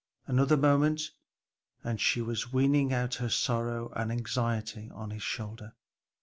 Another moment and she was weening out her sorrow and anxiety on his shoulder.